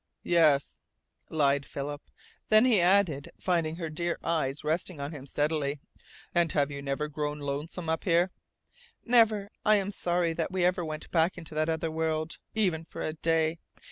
"Yes." lied Philip. Then he added, finding her dear eyes resting on him steadily. "And you have never grown lonesome up here?" "Never. I am sorry that we ever went back into that other world, even for a day.